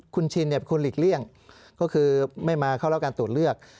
คุณชินเป็นคนหลีกเลี่ยงก็คือไม่มาเข้ารับการตรวจเลือก